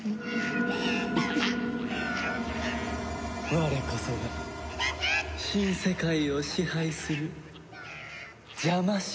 我こそが新世界を支配するジャマ神。